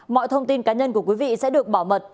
mọi thông tin cá nhân của quý vị sẽ được bảo mật